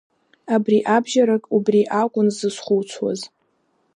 Абри абжьарак убри акәын сзызхәыцуаз.